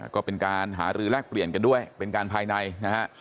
ก็เป็นการหารือแลกเปลี่ยนกันด้วยเป็นการภายในนะฮะ